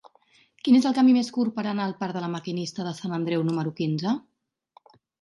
Quin és el camí més curt per anar al parc de La Maquinista de Sant Andreu número quinze?